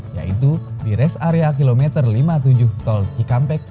yaitu di res area kilometer lima puluh tujuh tol cikampek